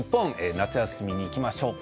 夏休みに行きましょうか。